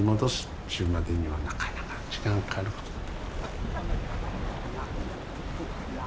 っちゅうまでにはなかなか時間がかかることだと。